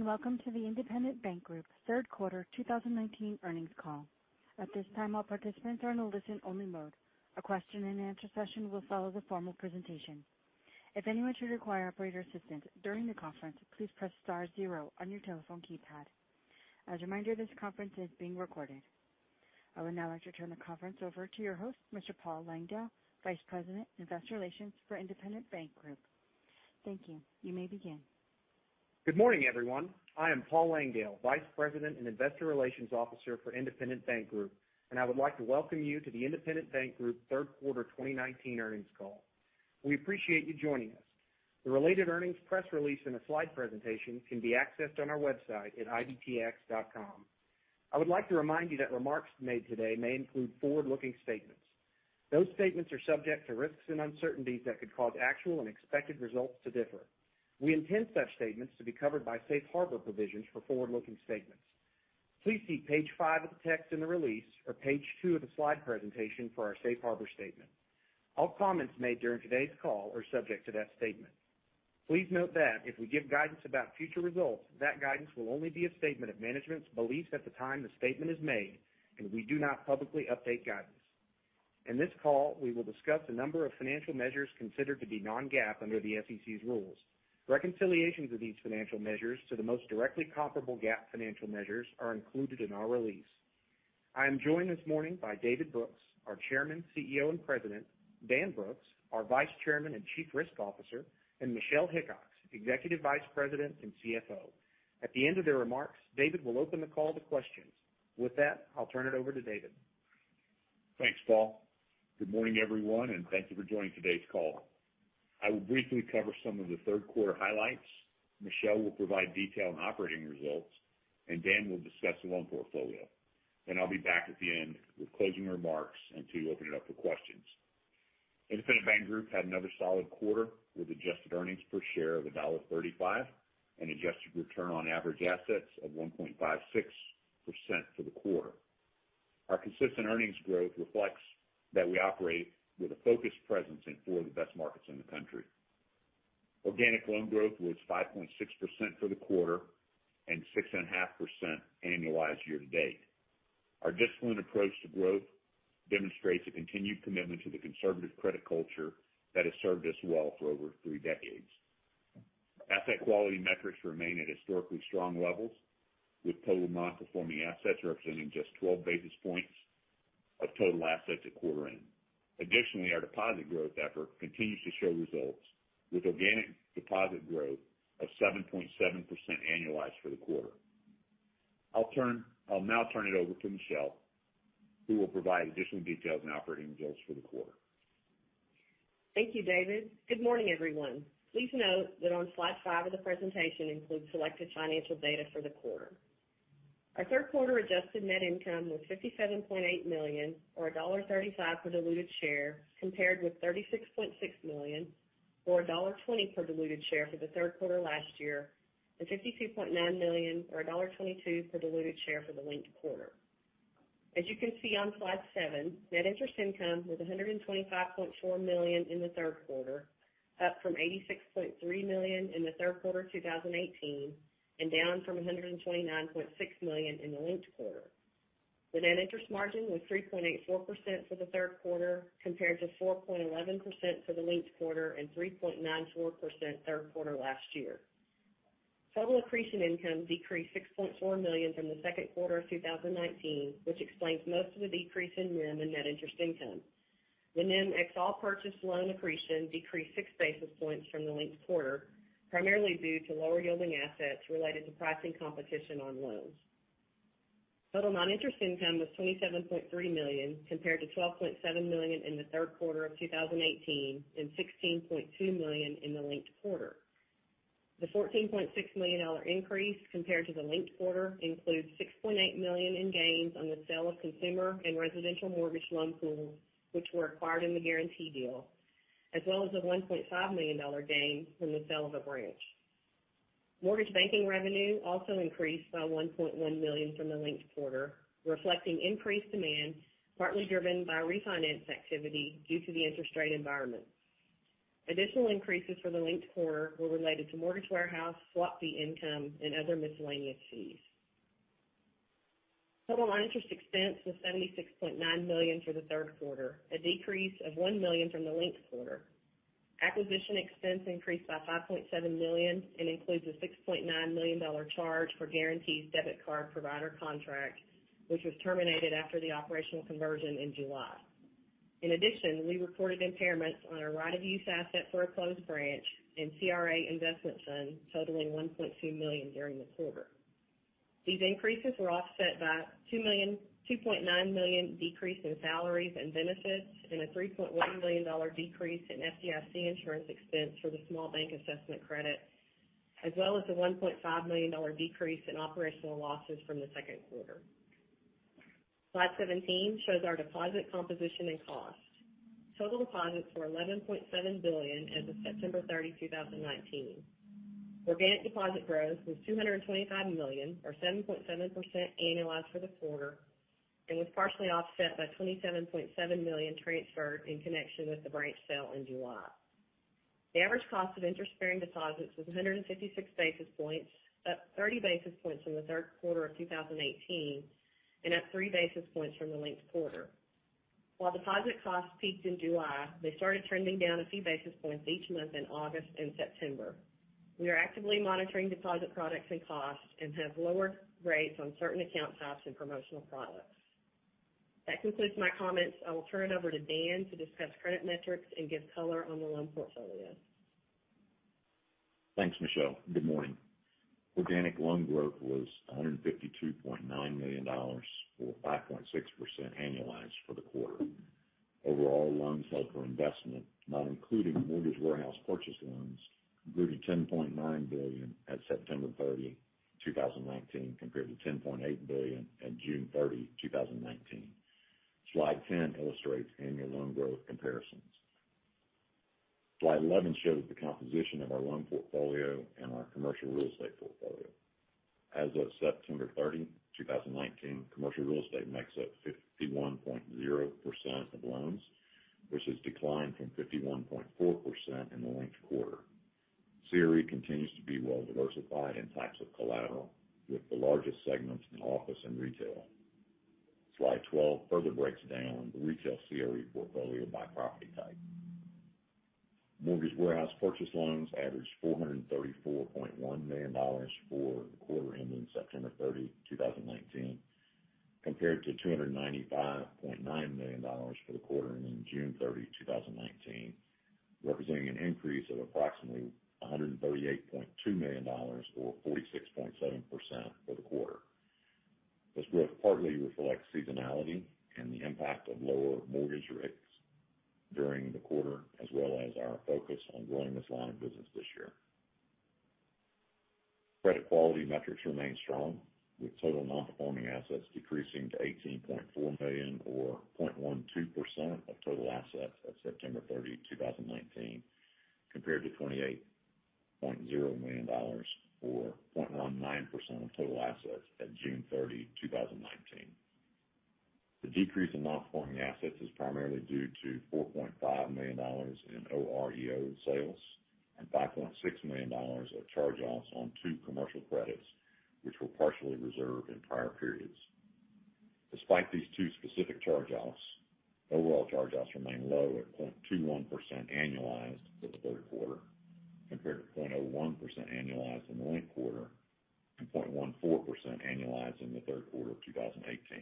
Good evening, and welcome to the Independent Bank Group third quarter 2019 earnings call. At this time, all participants are in a listen-only mode. A question-and-answer session will follow the formal presentation. If anyone should require operator assistance during the conference, please press star zero on your telephone keypad. As a reminder, this conference is being recorded. I would now like to turn the conference over to your host, Mr. Paul Langdale, Vice President, Investor Relations for Independent Bank Group. Thank you. You may begin. Good morning, everyone. I am Paul Langdale, Vice President and Investor Relations Officer for Independent Bank Group. I would like to welcome you to the Independent Bank Group third quarter 2019 earnings call. We appreciate you joining us. The related earnings press release and a slide presentation can be accessed on our website at ibtx.com. I would like to remind you that remarks made today may include forward-looking statements. Those statements are subject to risks and uncertainties that could cause actual and expected results to differ. We intend such statements to be covered by safe harbor provisions for forward-looking statements. Please see page five of the text in the release or page two of the slide presentation for our safe harbor statement. All comments made during today's call are subject to that statement. Please note that if we give guidance about future results, that guidance will only be a statement of management's beliefs at the time the statement is made. We do not publicly update guidance. In this call, we will discuss a number of financial measures considered to be non-GAAP under the SEC's rules. Reconciliations of these financial measures to the most directly comparable GAAP financial measures are included in our release. I am joined this morning by David Brooks, our Chairman, CEO, and President, Dan Brooks, our Vice Chairman and Chief Risk Officer, and Michelle Hickox, Executive Vice President and CFO. At the end of their remarks, David will open the call to questions. With that, I'll turn it over to David. Thanks, Paul. Good morning, everyone, and thank you for joining today's call. I will briefly cover some of the third quarter highlights. Michelle will provide detail on operating results, and Dan will discuss the loan portfolio. I'll be back at the end with closing remarks and to open it up for questions. Independent Bank Group had another solid quarter, with adjusted earnings per share of $1.35 and adjusted return on average assets of 1.56% for the quarter. Our consistent earnings growth reflects that we operate with a focused presence in four of the best markets in the country. Organic loan growth was 5.6% for the quarter and 6.5% annualized year to date. Our disciplined approach to growth demonstrates a continued commitment to the conservative credit culture that has served us well for over three decades. Asset quality metrics remain at historically strong levels, with total non-performing assets representing just 12 basis points of total assets at quarter end. Additionally, our deposit growth effort continues to show results, with organic deposit growth of 7.7% annualized for the quarter. I'll now turn it over to Michelle, who will provide additional details on operating results for the quarter. Thank you, David. Good morning, everyone. Please note that on slide five of the presentation includes selected financial data for the quarter. Our third quarter adjusted net income was $57.8 million, or $1.35 per diluted share, compared with $36.6 million or $1.20 per diluted share for the third quarter last year and $52.9 million or $1.22 per diluted share for the linked quarter. As you can see on slide seven, net interest income was $125.4 million in the third quarter, up from $86.3 million in the third quarter 2018 and down from $129.6 million in the linked quarter. The net interest margin was 3.84% for the third quarter, compared to 4.11% for the linked quarter and 3.94% third quarter last year. Total accretion income decreased $6.4 million from the second quarter of 2019, which explains most of the decrease in NIM and net interest income. The NIM ex all purchase loan accretion decreased six basis points from the linked quarter, primarily due to lower yielding assets related to pricing competition on loans. Total non-interest income was $27.3 million, compared to $12.7 million in the third quarter of 2018 and $16.2 million in the linked quarter. The $14.6 million increase compared to the linked quarter includes $6.8 million in gains on the sale of consumer and residential mortgage loan pools, which were acquired in the Guaranty deal, as well as a $1.5 million gain from the sale of a branch. Mortgage banking revenue also increased by $1.1 million from the linked quarter, reflecting increased demand, partly driven by refinance activity due to the interest rate environment. Additional increases for the linked quarter were related to mortgage warehouse, swap fee income, and other miscellaneous fees. Total non-interest expense was $76.9 million for the third quarter, a decrease of $1 million from the linked quarter. Acquisition expense increased by $5.7 million and includes a $6.9 million charge for Guaranty's debit card provider contract, which was terminated after the operational conversion in July. We reported impairments on our right-of-use asset for a closed branch and CRA investment fund totaling $1.2 million during the quarter. These increases were offset by $2.9 million decrease in salaries and benefits and a $3.1 million decrease in FDIC insurance expense for the small bank assessment credit, as well as a $1.5 million decrease in operational losses from the second quarter. Slide 17 shows our deposit composition and cost. Total deposits were $11.7 billion as of September 30, 2019. Organic deposit growth was $225 million, or 7.7% annualized for the quarter. Was partially offset by $27.7 million transferred in connection with the branch sale in July. The average cost of interest-bearing deposits was 156 basis points, up 30 basis points from the third quarter of 2018, and up three basis points from the linked quarter. While deposit costs peaked in July, they started trending down a few basis points each month in August and September. We are actively monitoring deposit products and costs and have lowered rates on certain account types and promotional products. That concludes my comments. I will turn it over to Dan to discuss credit metrics and give color on the loan portfolio. Thanks, Michelle. Good morning. Organic loan growth was $152.9 million, or 5.6% annualized for the quarter. Overall loans held for investment, not including mortgage warehouse purchase loans, grew to $10.9 billion at September 30, 2019, compared to $10.8 billion at June 30, 2019. Slide 10 illustrates annual loan growth comparisons. Slide 11 shows the composition of our loan portfolio and our commercial real estate portfolio. As of September 30, 2019, commercial real estate makes up 51.0% of loans, which has declined from 51.4% in the linked quarter. CRE continues to be well diversified in types of collateral, with the largest segments in office and retail. Slide 12 further breaks down the retail CRE portfolio by property type. Mortgage warehouse purchase loans averaged $434.1 million for the quarter ending September 30, 2019, compared to $295.9 million for the quarter ending June 30, 2019, representing an increase of approximately $138.2 million or 46.7% for the quarter. This growth partly reflects seasonality and the impact of lower mortgage rates during the quarter, as well as our focus on growing this line of business this year. Credit quality metrics remain strong, with total non-performing assets decreasing to $18.4 million or 0.12% of total assets at September 30, 2019, compared to $28.0 million or 0.19% of total assets at June 30, 2019. The decrease in non-performing assets is primarily due to $4.5 million in OREO sales and $5.6 million of charge-offs on two commercial credits, which were partially reserved in prior periods. Despite these two specific charge-offs, overall charge-offs remain low at 0.21% annualized for the third quarter, compared to 0.01% annualized in the linked quarter and 0.14% annualized in the third quarter of 2018.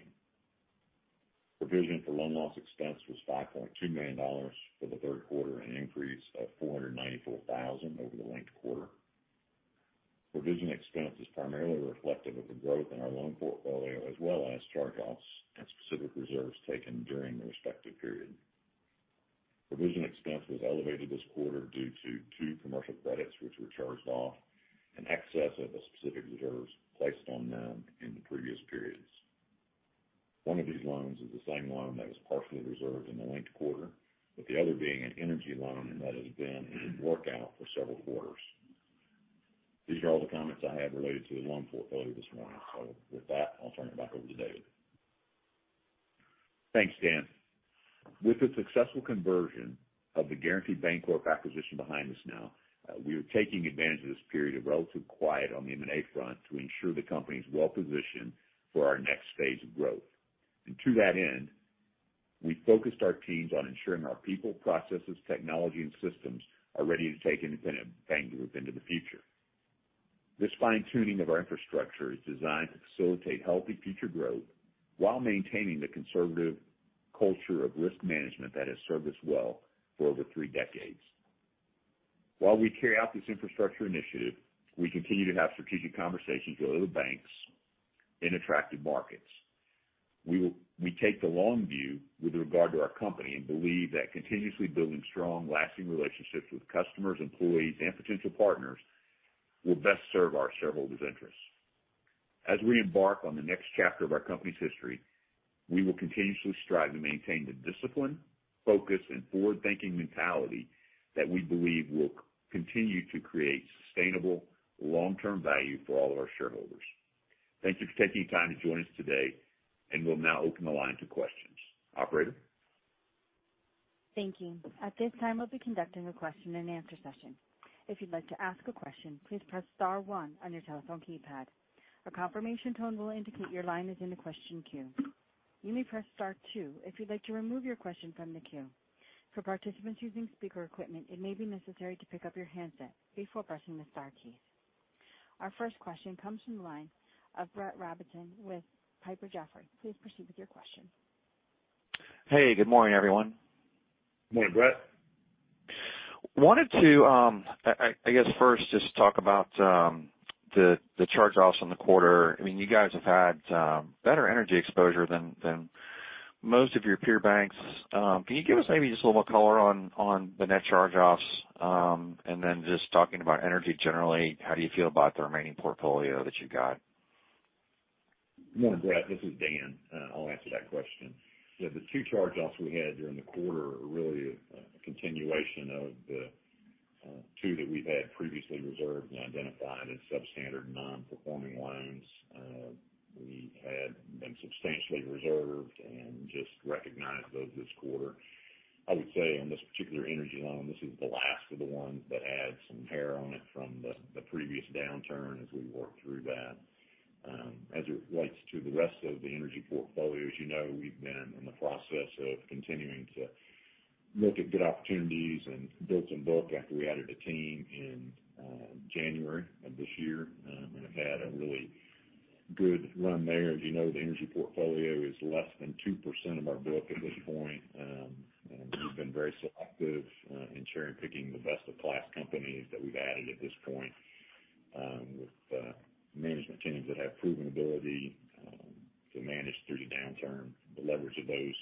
Provision for loan loss expense was $5.2 million for the third quarter, an increase of $494,000 over the linked quarter. Provision expense is primarily reflective of the growth in our loan portfolio, as well as charge-offs and specific reserves taken during the respective period. Provision expense was elevated this quarter due to two commercial credits, which were charged off in excess of the specific reserves placed on them in the previous periods. One of these loans is the same loan that was partially reserved in the linked quarter, with the other being an energy loan that has been in workout for several quarters. These are all the comments I have related to the loan portfolio this morning. With that, I'll turn it back over to David. Thanks, Dan. With the successful conversion of the Guaranty Bancorp acquisition behind us now, we are taking advantage of this period of relative quiet on the M&A front to ensure the company's well-positioned for our next phase of growth. To that end, we focused our teams on ensuring our people, processes, technology, and systems are ready to take Independent Bank Group into the future. This fine-tuning of our infrastructure is designed to facilitate healthy future growth while maintaining the conservative culture of risk management that has served us well for over three decades. While we carry out this infrastructure initiative, we continue to have strategic conversations with other banks in attractive markets. We take the long view with regard to our company and believe that continuously building strong, lasting relationships with customers, employees, and potential partners will best serve our shareholders' interests. As we embark on the next chapter of our company's history, we will continuously strive to maintain the discipline, focus, and forward-thinking mentality that we believe will continue to create sustainable long-term value for all of our shareholders. Thank you for taking the time to join us today, and we'll now open the line to questions. Operator? Thank you. At this time, we'll be conducting a question and answer session. If you'd like to ask a question, please press *1 on your telephone keypad. A confirmation tone will indicate your line is in the question queue. You may press *2 if you'd like to remove your question from the queue. For participants using speaker equipment, it may be necessary to pick up your handset before pressing the star keys. Our first question comes from the line of Brett Rabatin with Piper Jaffray. Please proceed with your question. Hey, good morning, everyone. Morning, Brett. wanted to, I guess, first just talk about the charge-offs on the quarter. You guys have had better energy exposure than most of your peer banks. Can you give us maybe just a little color on the net charge-offs? Just talking about energy generally, how do you feel about the remaining portfolio that you've got? Morning, Brett. This is Dan. I'll answer that question. The two charge-offs we had during the quarter are really a continuation of the Two that we've had previously reserved and identified as substandard non-performing loans. We had been substantially reserved and just recognized those this quarter. I would say on this particular energy loan, this is the last of the ones that had some hair on it from the previous downturn as we work through that. As it relates to the rest of the energy portfolio, as you know, we've been in the process of continuing to look at good opportunities and build some book after we added a team in January of this year, and have had a really good run there. As you know, the energy portfolio is less than 2% of our book at this point. We've been very selective in cherry-picking the best of class companies that we've added at this point, with management teams that have proven ability to manage through the downturn. The leverage of those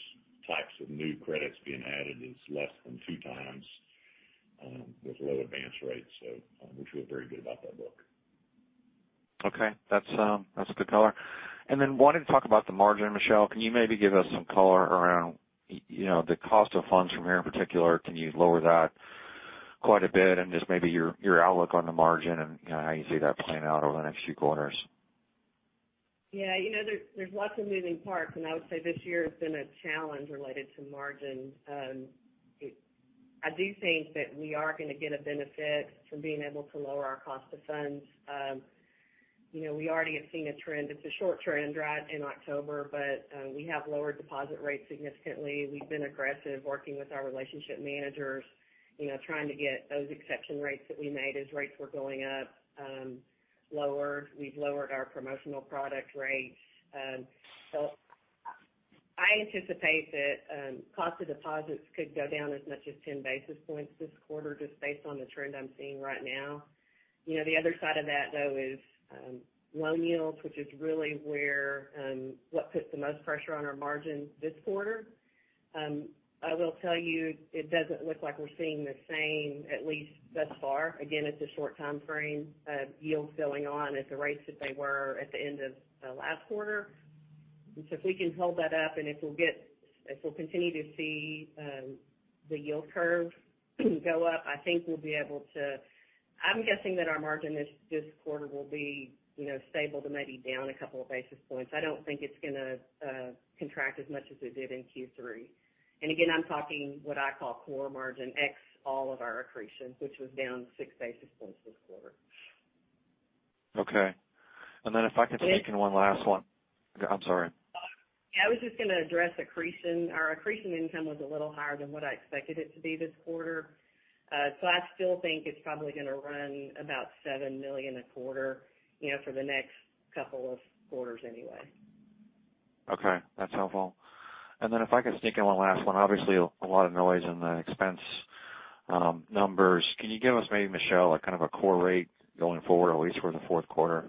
types of new credits being added is less than two times with low advance rates, so we feel very good about that book. Okay. That's good color. Wanted to talk about the margin, Michelle. Can you maybe give us some color around the cost of funds from here in particular? Can you lower that quite a bit and just maybe your outlook on the margin and how you see that playing out over the next few quarters? There's lots of moving parts and I would say this year has been a challenge related to margin. I do think that we are going to get a benefit from being able to lower our cost of funds. We already have seen a trend. It's a short trend, right, in October, but we have lowered deposit rates significantly. We've been aggressive working with our relationship managers, trying to get those exception rates that we made as rates were going up lowered. We've lowered our promotional product rates. I anticipate that cost of deposits could go down as much as 10 basis points this quarter just based on the trend I'm seeing right now. The other side of that, though, is loan yields, which is really what puts the most pressure on our margin this quarter. I will tell you, it doesn't look like we're seeing the same, at least thus far, again, it's a short time frame of yields going on at the rates that they were at the end of last quarter. So if we can hold that up and if we'll continue to see the yield curve go up, I'm guessing that our margin this quarter will be stable to maybe down a couple of basis points. I don't think it's going to contract as much as it did in Q3. Again, I'm talking what I call core margin, ex all of our accretion, which was down six basis points this quarter. Okay. If I could take in one last one. I'm sorry. I was just going to address accretion. Our accretion income was a little higher than what I expected it to be this quarter. I still think it's probably going to run about $7 million a quarter for the next couple of quarters anyway. Okay, that's helpful. If I could sneak in one last one. Obviously, a lot of noise in the expense numbers. Can you give us maybe, Michelle, a kind of a core rate going forward, at least for the fourth quarter?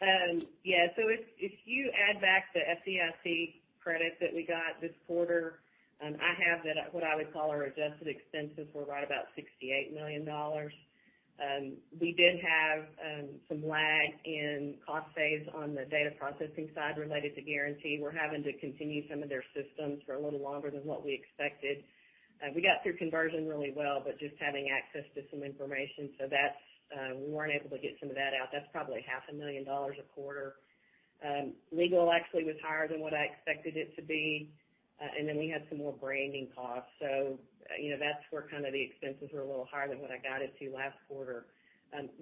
If you add back the FDIC credit that we got this quarter, I have what I would call our adjusted expenses were right about $68 million. We did have some lag in cost saves on the data processing side related to Guaranty. We're having to continue some of their systems for a little longer than what we expected. We got through conversion really well, but just having access to some information. That, we weren't able to get some of that out. That's probably half a million dollars a quarter. Legal actually was higher than what I expected it to be. We had some more branding costs. That's where the expenses were a little higher than what I guided to last quarter.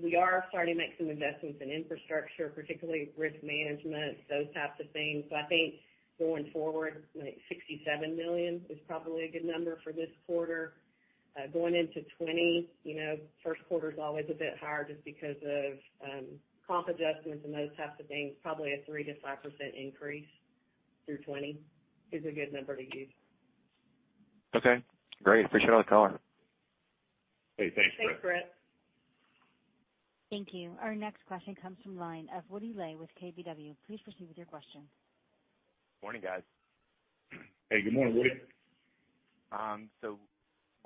We are starting to make some investments in infrastructure, particularly risk management, those types of things. I think going forward, $67 million is probably a good number for this quarter. Going into 2020, first quarter's always a bit higher just because of comp adjustments and those types of things. Probably a 3%-5% increase through 2020 is a good number to use. Okay, great. Appreciate all the color. Hey, thanks, Brett. Thanks, Brett. Thank you. Our next question comes from the line of Woody Ley with KBW. Please proceed with your question. Morning, guys. Hey, good morning, Woody.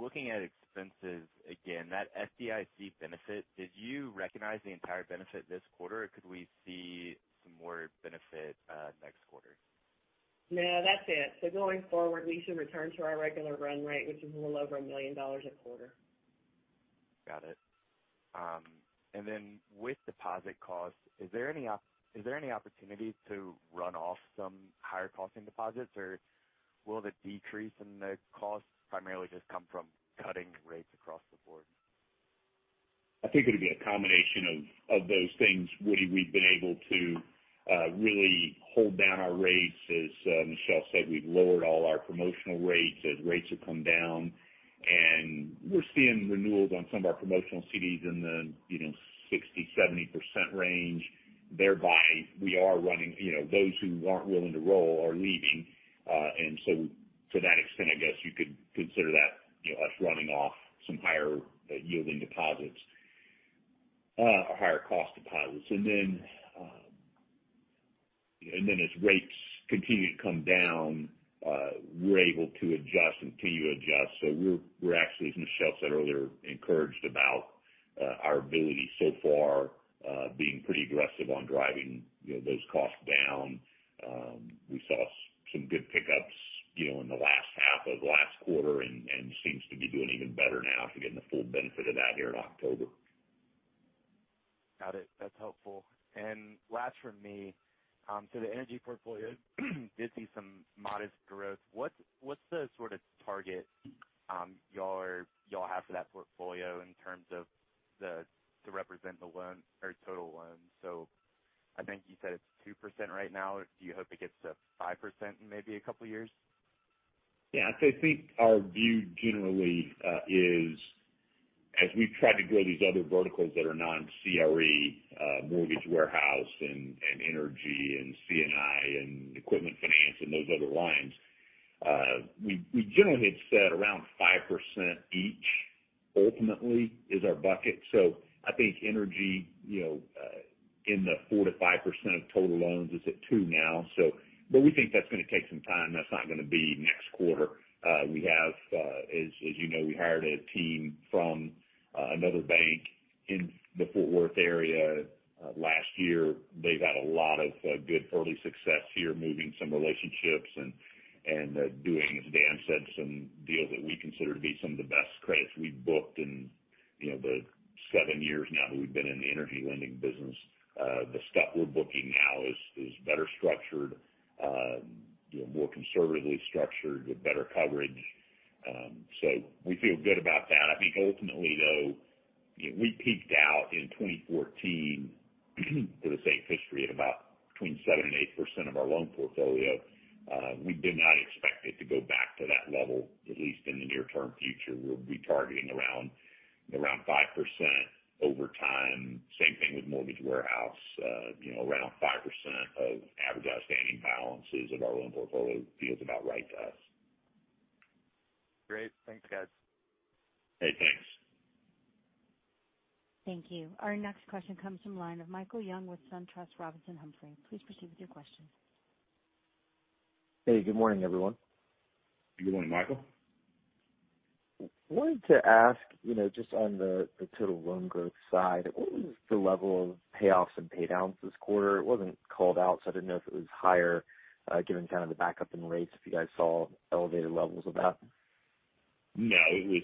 Looking at expenses again, that FDIC benefit, did you recognize the entire benefit this quarter or could we see some more benefit next quarter? No, that's it. Going forward, we should return to our regular run rate, which is a little over $1 million a quarter. Got it. With deposit costs, is there any opportunity to run off some higher costing deposits, or will the decrease in the costs primarily just come from cutting rates across the board? I think it'll be a combination of those things, Woody. We've been able to really hold down our rates. As Michelle said, we've lowered all our promotional rates as rates have come down. We're seeing renewals on some of our promotional CDs in the 60%-70% range. Thereby, those who aren't willing to roll are leaving. To that extent, I guess you could consider that us running off some higher yielding deposits or higher cost deposits. As rates continue to come down, we're able to adjust and continue to adjust. We're actually, as Michelle said earlier, encouraged about our ability so far being pretty aggressive on driving those costs down. We saw some good pickups in the last half of last quarter, and seems to be doing even better now to getting the full benefit of that here in October. Got it. That's helpful. Last from me, the energy portfolio did see some modest growth. What's the sort of target you all have for that portfolio in terms of to represent the total loans? I think you said it's 2% right now. Do you hope it gets to 5% in maybe a couple of years? I think our view generally is as we've tried to grow these other verticals that are non-CRE, mortgage warehouse and energy and C&I and equipment finance and those other lines, we generally had said around 5% each ultimately is our bucket. I think energy, in the 4%-5% of total loans is at two now. We think that's going to take some time. That's not going to be next quarter. As you know, we hired a team from another bank in the Fort Worth area last year. They've had a lot of good early success here, moving some relationships and doing, as Dan said, some deals that we consider to be some of the best credits we've booked in the seven years now that we've been in the energy lending business. The stuff we're booking now is better structured, more conservatively structured with better coverage. We feel good about that. I think ultimately, though, we peaked out in 2014 for the safe history at about between 7% and 8% of our loan portfolio. We do not expect it to go back to that level, at least in the near-term future. We'll be targeting around 5% over time. Same thing with mortgage warehouse, around 5% of average outstanding balances of our loan portfolio feels about right to us. Great. Thanks, guys. Hey, thanks. Thank you. Our next question comes from the line of Michael Young with SunTrust Robinson Humphrey. Please proceed with your question. Hey, good morning, everyone. Good morning, Michael. Wanted to ask, just on the total loan growth side, what was the level of payoffs and pay downs this quarter? It wasn't called out, so I didn't know if it was higher, given kind of the backup in rates, if you guys saw elevated levels of that. No, it was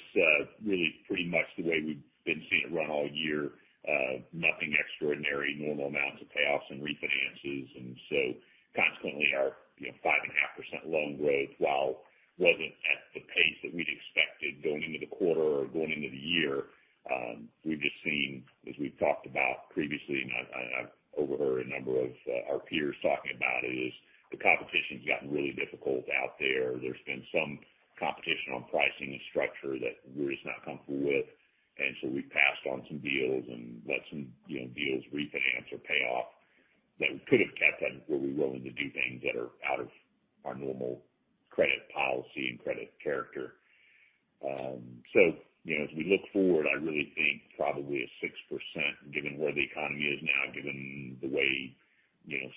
really pretty much the way we've been seeing it run all year. Nothing extraordinary. Normal amounts of payoffs and refinances, consequently our 5.5% loan growth, while wasn't at the pace that we'd expected going into the quarter or going into the year. We've just seen, as we've talked about previously, and I've overheard a number of our peers talking about it, is the competition's gotten really difficult out there. There's been some competition on pricing and structure that we're just not comfortable with, we've passed on some deals and let some deals refinance or pay off that we could have kept had we been willing to do things that are out of our normal credit policy and credit character. As we look forward, I really think probably a 6%, given where the economy is now, given the way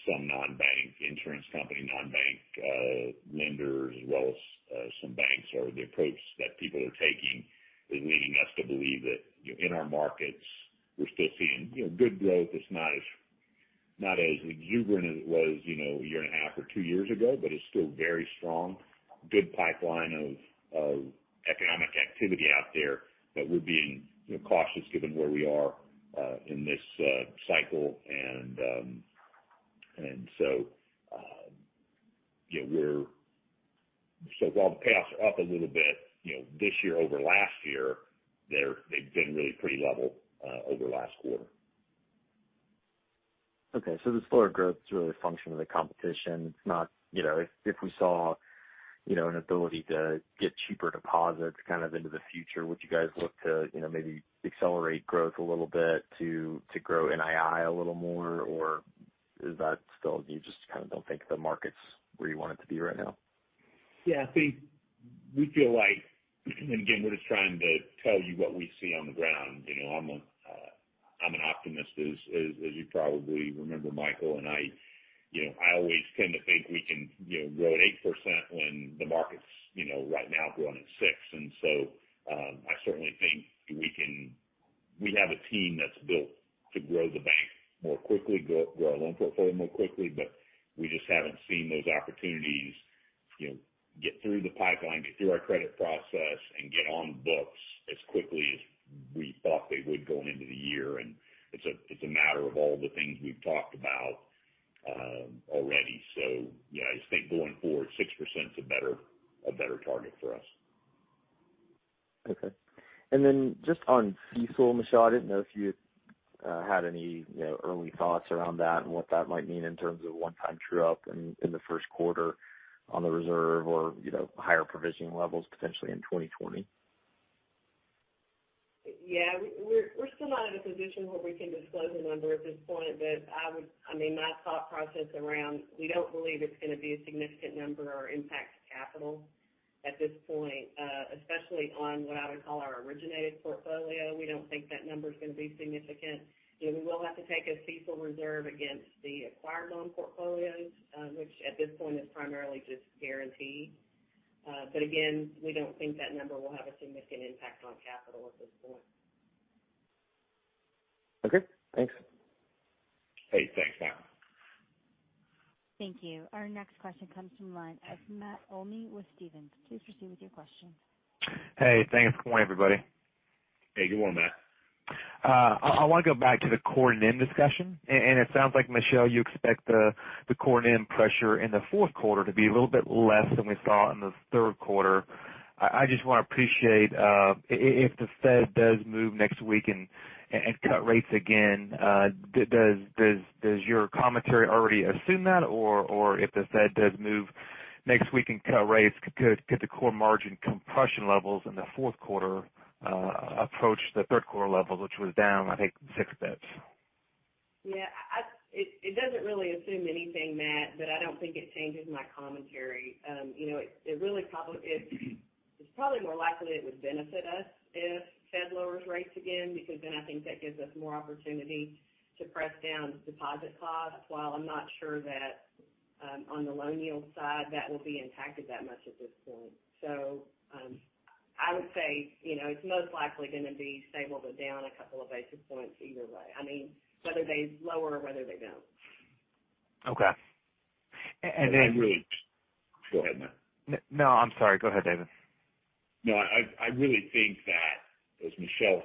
some non-bank insurance company, non-bank lenders as well as some banks, or the approach that people are taking is leading us to believe that in our markets, we're still seeing good growth. It's not as exuberant as it was a year and a half or two years ago, but it's still very strong. Good pipeline of economic activity out there, but we're being cautious given where we are in this cycle. While the payoffs are up a little bit this year over last year, they've been really pretty level over the last quarter. Okay, the slower growth is really a function of the competition. If we saw an ability to get cheaper deposits into the future, would you guys look to maybe accelerate growth a little bit to grow NII a little more? Is that still you just kind of don't think the market's where you want it to be right now? I think we feel like, and again, we're just trying to tell you what we see on the ground. I'm an optimist, as you probably remember, Michael, and I always tend to think we can grow at 8% when the market's right now growing at 6%. I certainly think we have a team that's built to grow the bank more quickly, grow our loan portfolio more quickly, but we just haven't seen those opportunities get through the pipeline, get through our credit process, and get on the books as quickly as we thought they would going into the year. It's a matter of all the things we've talked about already. I think going forward, 6% is a better target for us. Okay. Then just on CECL, Michelle, I didn't know if you had any early thoughts around that and what that might mean in terms of one-time true up in the first quarter on the reserve or higher provisioning levels potentially in 2020? Yeah. We're still not in a position where we can disclose a number at this point. My thought process around we don't believe it's going to be a significant number or impact capital at this point, especially on what I would call our originated portfolio. We don't think that number is going to be significant. We will have to take a CECL reserve against the acquired loan portfolios, which at this point is primarily just guarantees. Again, we don't think that number will have a significant impact on capital at this point. Okay, thanks. Hey, thanks, Matt. Thank you. Our next question comes from the line of Matt Olney with Stephens. Please proceed with your question. Hey, thanks. Good morning, everybody. Hey, good morning, Matt. I want to go back to the core NIM discussion, and it sounds like, Michelle, you expect the core NIM pressure in the fourth quarter to be a little bit less than we saw in the third quarter. I just want to appreciate if the Fed does move next week and cut rates again, does your commentary already assume that? If the Fed does move next week and cut rates, could the core margin compression levels in the fourth quarter approach the third quarter level, which was down, I think, six basis points? It doesn't really assume anything, Matt, but I don't think it changes my commentary. It's probably more likely it would benefit us if Fed lowers rates again, because then I think that gives us more opportunity to press down deposit costs. While I'm not sure that on the loan yield side, that will be impacted that much at this point. I would say, it's most likely going to be stable, but down a couple of basis points either way, whether they lower or whether they don't. Okay. Go ahead, Matt. No, I'm sorry. Go ahead, David. I really think that, as Michelle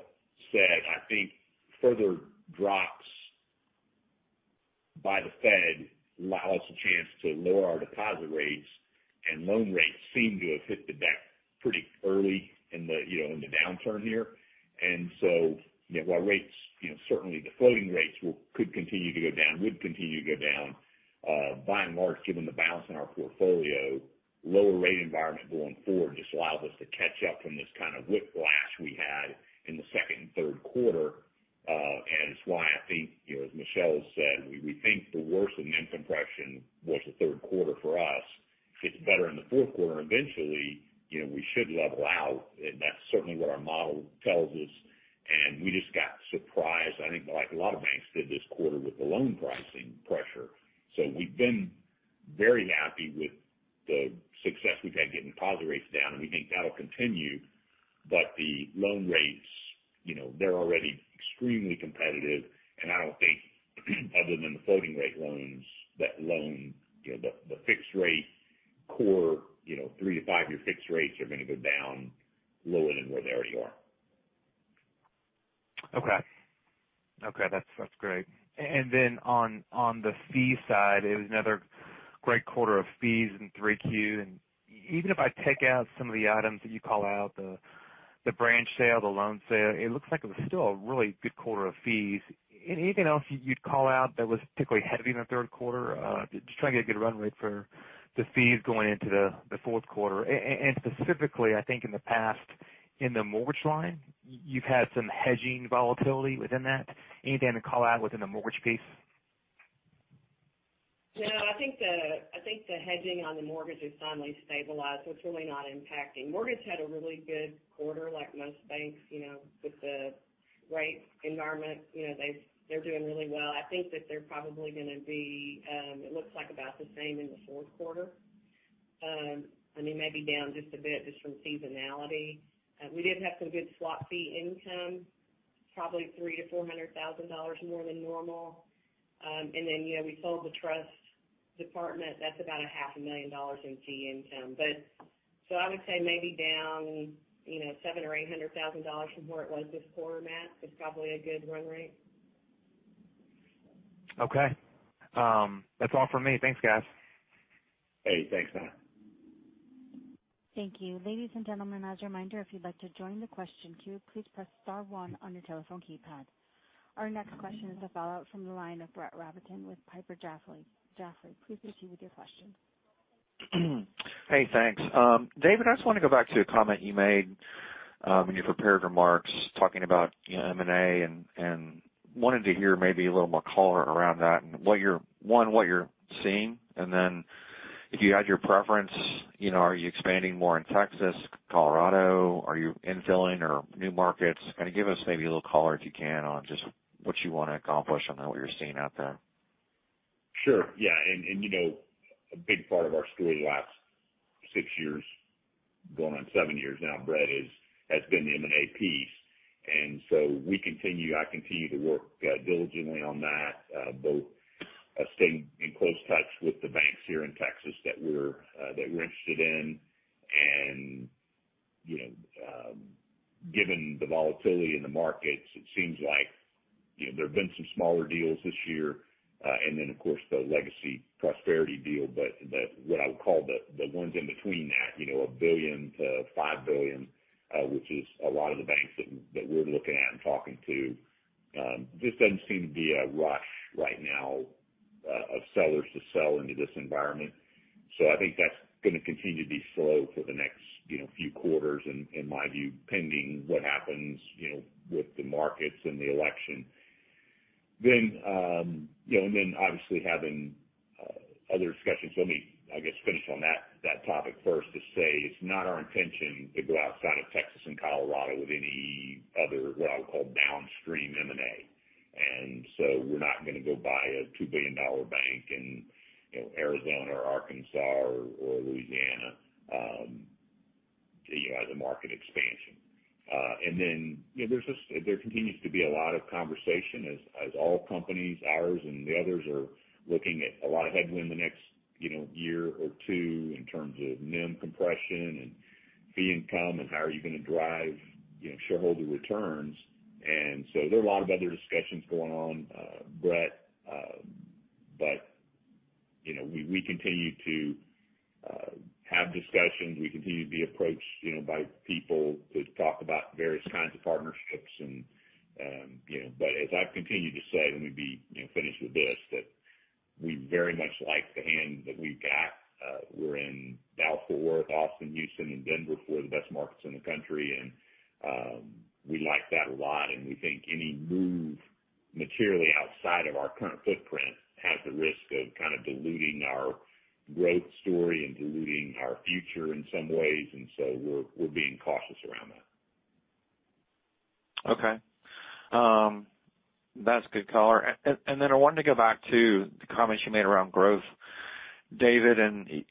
said, I think further drops by the Fed allow us a chance to lower our deposit rates and loan rates seem to have hit the deck pretty early in the downturn here. While rates, certainly the floating rates could continue to go down, would continue to go down, by and large, given the balance in our portfolio, lower rate environment going forward just allows us to catch up from this kind of whiplash we had in the second and third quarter. It's why I think, as Michelle said, we think the worst of NIM compression was the third quarter for us. It's better in the fourth quarter. Eventually, we should level out. That's certainly what our model tells us. We just got surprised, I think, like a lot of banks did this quarter with the loan pricing pressure. We've been very happy with the success we've had getting deposit rates down, and we think that'll continue. The loan rates, they're already extremely competitive, and I don't think other than the floating rate loans, the fixed rate core three to five-year fixed rates are going to go down lower than where they already are. Okay. That's great. Then on the fee side, it was another great quarter of fees in 3Q. Even if I take out some of the items that you call out, the branch sale, the loan sale, it looks like it was still a really good quarter of fees. Anything else you'd call out that was particularly heavy in the third quarter? Just trying to get a good run rate for the fees going into the fourth quarter. Specifically, I think in the past, in the mortgage line, you've had some hedging volatility within that. Anything to call out within the mortgage piece? No, I think the hedging on the mortgage has finally stabilized. It's really not impacting. Mortgage had a really good quarter like most banks with the rate environment. They're doing really well. I think that they're probably it looks like about the same in the fourth quarter. Maybe down just a bit just from seasonality. We did have some good swap fee income, probably $300,000-$400,000 more than normal. We sold the trust department. That's about a half a million dollars in fee income. I would say maybe down $700,000 or $800,000 from where it was this quarter, Matt, is probably a good run rate. Okay. That's all from me. Thanks, guys. Hey, thanks, Matt. Thank you. Ladies and gentlemen, as a reminder, if you'd like to join the question queue, please press star one on your telephone keypad. Our next question is a follow-up from the line of Brett Rabatin with Piper Jaffray. Please proceed with your question. Hey, thanks. David, I just want to go back to a comment you made in your prepared remarks talking about M&A and wanted to hear maybe a little more color around that and one, what you're seeing, and then if you had your preference, are you expanding more in Texas, Colorado? Are you infilling or new markets? Kind of give us maybe a little color, if you can, on just what you want to accomplish on what you're seeing out there. Sure. Yeah. A big part of our story the last six years, going on seven years now, Brett, has been the M&A piece. We continue, I continue to work diligently on that, both staying in close touch with the banks here in Texas that we're interested in. Given the volatility in the markets, it seems like there have been some smaller deals this year. Of course, the Prosperity Bancshares deal, but what I would call the ones in between that, $1 billion-$5 billion, which is a lot of the banks that we're looking at and talking to. Just doesn't seem to be a rush right now of sellers to sell into this environment. I think that's going to continue to be slow for the next few quarters, in my view, pending what happens with the markets and the election. Obviously having other discussions. Let me, I guess, finish on that topic first to say it's not our intention to go outside of Texas and Colorado with any other, what I would call downstream M&A. We're not going to go buy a $2 billion bank in Arizona or Arkansas or Louisiana as a market expansion. There continues to be a lot of conversation as all companies, ours and the others, are looking at a lot of headwind the next year or two in terms of NIM compression and fee income, and how are you going to drive shareholder returns. There are a lot of other discussions going on, Brett. We continue to have discussions. We continue to be approached by people to talk about various kinds of partnerships. As I've continued to say, let me be finished with this, that we very much like the hand that we've got. We're in Dallas, Fort Worth, Austin, Houston, and Denver. Four of the best markets in the country, and we like that a lot. We think any move materially outside of our current footprint has the risk of kind of diluting our growth story and diluting our future in some ways. So we're being cautious around that. Okay. That's good color. I wanted to go back to the comments you made around growth, David. It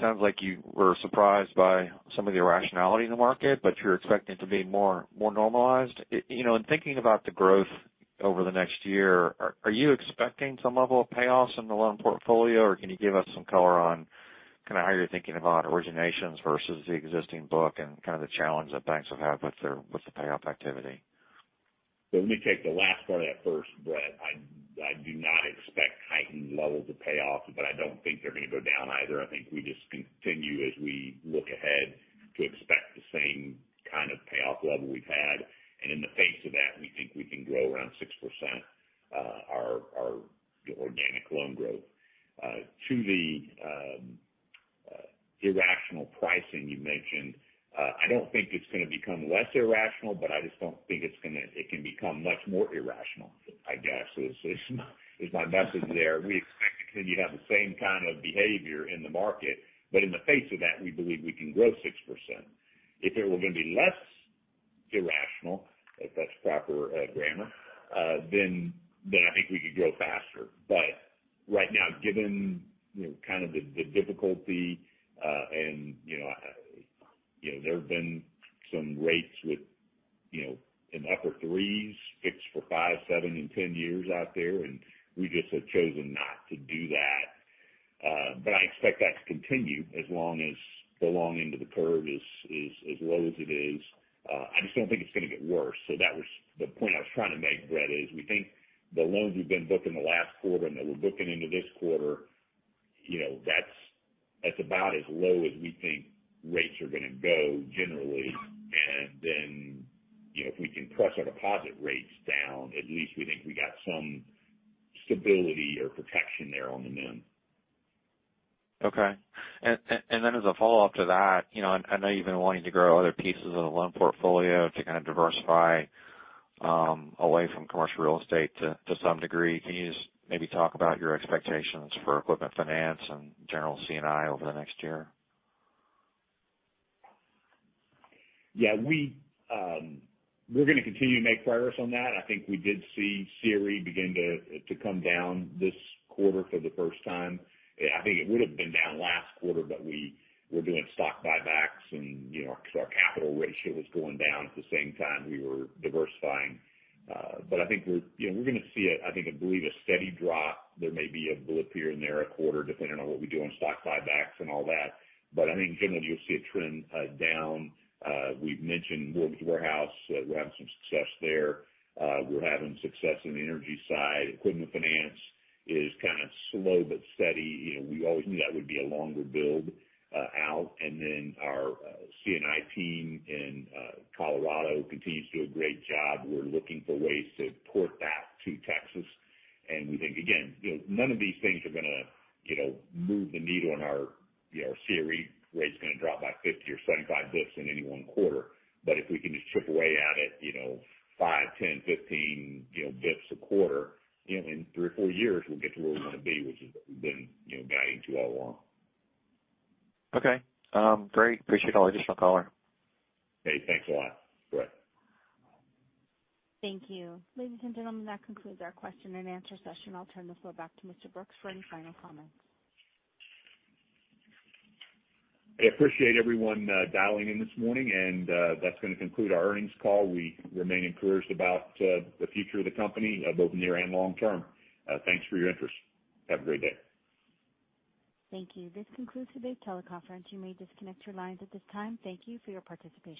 sounds like you were surprised by some of the irrationality in the market, but you're expecting it to be more normalized. In thinking about the growth over the next year, are you expecting some level of payoffs in the loan portfolio, or can you give us some color on kind of how you're thinking about originations versus the existing book and kind of the challenge that banks will have with the payoff activity? Let me take the last part of that first, Brett. I do not expect heightened levels of payoffs, but I don't think they're going to go down either. I think we just continue as we look ahead to expect the same kind of payoff level we've had. In the face of that, we think we can grow around 6% our organic loan growth. To the irrational pricing you mentioned, I don't think it's going to become less irrational, but I just don't think it can become much more irrational, I guess, is my message there. We expect to continue to have the same kind of behavior in the market, but in the face of that, we believe we can grow 6%. If it were going to be less irrational, if that's proper grammar, then I think we could grow faster. Right now, given kind of the difficulty and there have been some rates with in the upper threes fixed for five, seven, and 10 years out there, and we just have chosen not to do that. I expect that to continue as long as the long end of the curve is as low as it is. I just don't think it's going to get worse. That was the point I was trying to make, Brett, is we think the loans we've been booking the last quarter and that we're booking into this quarter, that's about as low as we think rates are going to go generally. If we can press our deposit rates down, at least we think we got some stability or protection there on the NIM. Okay. As a follow-up to that, I know you've been wanting to grow other pieces of the loan portfolio to kind of diversify away from commercial real estate to some degree. Can you just maybe talk about your expectations for equipment finance and general C&I over the next year? Yeah. We're going to continue to make progress on that. I think we did see CRE begin to come down this quarter for the first time. I think it would have been down last quarter, we were doing stock buybacks because our capital ratio was going down at the same time we were diversifying. I think we're going to see, I think, I believe, a steady drop. There may be a blip here and there a quarter depending on what we do on stock buybacks and all that. I think generally, you'll see a trend down. We've mentioned Mortgage Warehouse. We're having some success there. We're having success in the energy side. Equipment finance is kind of slow but steady. We always knew that would be a longer build out. Our C&I team in Colorado continues to do a great job. We're looking for ways to port that to Texas. We think, again, none of these things are going to move the needle on our CRE rate's going to drop by 50 or 75 basis points in any one quarter. If we can just chip away at it, five, 10, 15 basis points a quarter, in three or four years, we'll get to where we want to be, which is we've been guiding to all along. Okay. Great. Appreciate all the additional color. Hey, thanks a lot, Brett. Thank you. Ladies and gentlemen, that concludes our question and answer session. I'll turn the floor back to Mr. Brooks for any final comments. I appreciate everyone dialing in this morning. That's going to conclude our earnings call. We remain encouraged about the future of the company, both near and long term. Thanks for your interest. Have a great day. Thank you. This concludes today's teleconference. You may disconnect your lines at this time. Thank you for your participation.